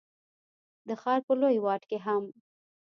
د ښار په لوی واټ کي هم،